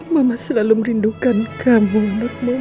mama selalu merindukan kamu mulutmu